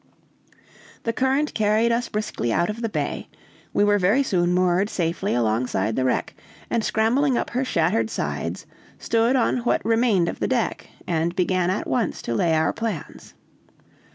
The current carried us briskly out of the bay; we were very soon moored safely alongside the wreck, and scrambling up her shattered sides, stood on what remained of the deck, and began at once to lay our plans.